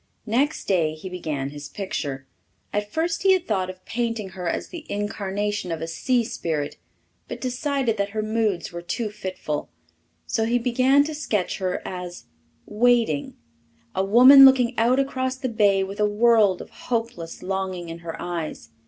Next day he began his picture. At first he had thought of painting her as the incarnation of a sea spirit, but decided that her moods were too fitful. So he began to sketch her as "Waiting" a woman looking out across the bay with a world of hopeless longing in her eyes.